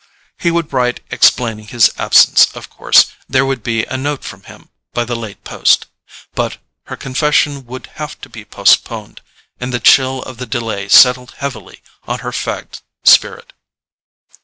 He would write explaining his absence, of course; there would be a note from him by the late post. But her confession would have to be postponed; and the chill of the delay settled heavily on her fagged spirit.